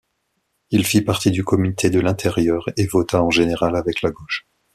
Il fit partie du comité de l'intérieur, et vota en général avec la gauche.